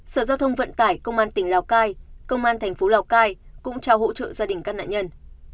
sở giao thông vận tải công an tỉnh lào cai công an thành phố lào cai cũng trao hỗ trợ gia đình các nạn nhân